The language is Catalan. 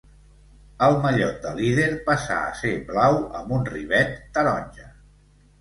El mallot de líder passà a ser blau amb un rivet taronja.